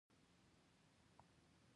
اوس د توکو په تولید لږ وخت لګیږي.